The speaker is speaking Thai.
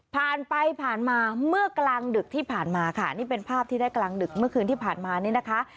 ผ่านไปผ่านมาเมื่อกลางดึกที่ผ่านมาค่ะนี่เป็นภาพที่ได้กลางดึกเมื่อคืนที่ผ่านมานี่นะคะ